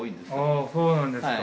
あそうなんですか